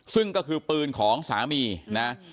ซึ่งก็คือปืนของสามีนะ